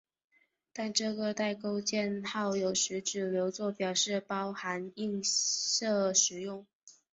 但这个带钩箭号有时只留作表示包含映射时用。